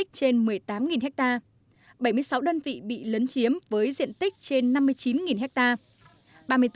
trên một mươi tám hectare bảy mươi sáu đơn vị bị lấn chiếm với diện tích trên năm mươi chín hectare